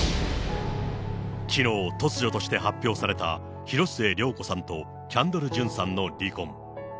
きのう、突如として発表された広末涼子さんとキャンドル・ジュンさんの離婚。